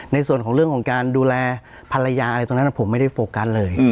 ในส่วนของเรื่องของการดูแลภรรยาอะไรตรงนั้นผมไม่ได้โฟกัสเลย